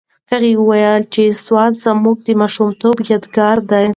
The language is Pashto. هغې وویل چې سوات زما د ماشومتوب یادګار دی.